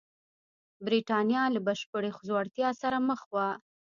برېټانیا له بشپړې ځوړتیا سره مخ وه.